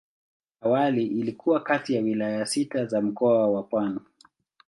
Awali ilikuwa kati ya wilaya sita za Mkoa wa Pwani.